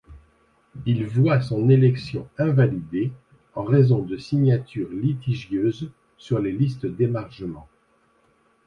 Il voit son élection invalidée en raison de signatures litigieuses sur les listes d'émargement.